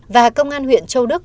và công an huyện châu đức